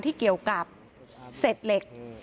ที่เกี่ยวกับเศษเหล็ก